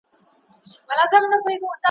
ډاکټر طاهر مسعود